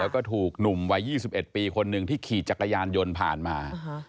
แล้วก็ถูกหนุ่มวัย๒๑ปีคนหนึ่งที่ขี่จักรยานยนต์ผ่านมา